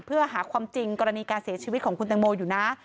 เพื่อหาความจริงกรณีการเสียชีวิตของคุณตังโมอยู่นะ